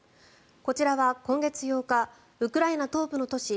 こちらは今月８日ウクライナ東部の都市